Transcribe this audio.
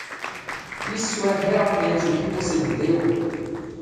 Isso é realmente o que você me deu?